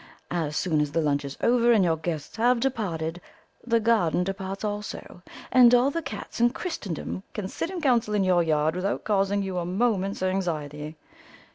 As soon as the lunch is over and your guests have departed the garden departs also, and all the cats in Christendom can sit in council in your yard without causing you a moment's anxiety.